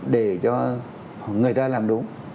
để cho người ta làm đúng